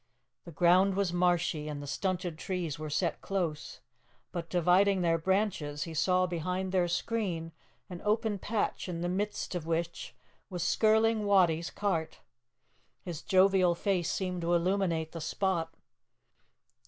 The ground was marshy, and the stunted trees were set close, but, dividing their branches, he saw behind their screen an open patch in the midst of which was Skirling Wattie's cart. His jovial face seemed to illuminate the spot.